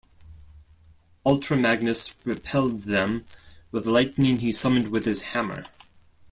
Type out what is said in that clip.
Ultra Magnus repelled them with the lightning he summoned with his hammer.